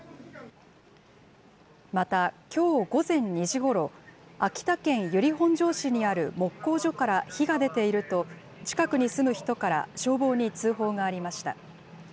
また、きょう午前２時ごろ、秋田県由利本荘市にある木工所から火が出ていると、近くに住む人から消防に通報がありました。